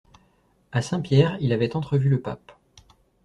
A Saint-Pierre, il avait entrevu le pape.